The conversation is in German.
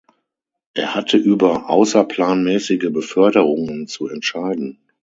Er hatte über außerplanmäßige Beförderungen zu entscheiden.